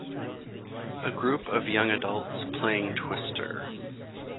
A group of young adults playing Twister.